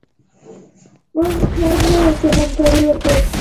موږ مجاز نه یو چې همکاري وکړو.